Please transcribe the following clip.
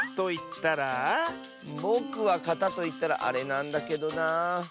ぼくは「かた」といったらあれなんだけどなあ。